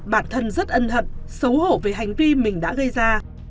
bản thân rất ân hận xấu hổ về hành vi mình đã gây ra